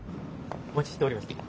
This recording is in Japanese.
お待ちしておりました。